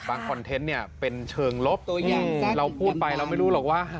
บางคอนเทนต์เป็นเชิงลบเราพูดไปเราไม่รู้หรอกว่า